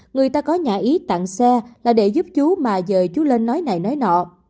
người ta có nhà ý tặng xe là để giúp chú mà giờ chú lên nói này nói nọ